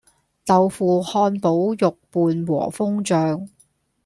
豆腐漢堡肉伴和風醬